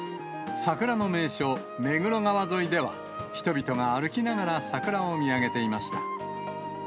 桜の名所、目黒川沿いでは、人々が歩きながら桜を見上げていました。